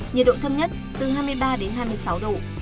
nhiệt độ thấp nhất từ hai mươi ba đến hai mươi sáu độ